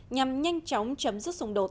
nhằm nhanh chóng chấm dứt xung đột